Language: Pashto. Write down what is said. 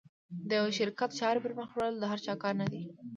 د یوه شرکت چارې پر مخ وړل د هر چا کار نه ده.